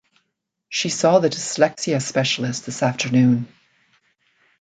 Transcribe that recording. She saw the dyslexia specialist this afternoon.